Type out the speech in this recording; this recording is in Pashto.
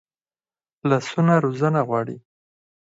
لاسونه روزنه غواړي